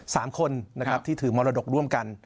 สามคนที่ถือมรดกร่วมกัน